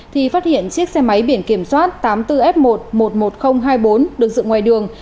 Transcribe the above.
thì phát hiện chiếc xe máy biển kiểm soát tám mươi bốn f một một mươi một nghìn hai mươi bốn được dựng ngoài đường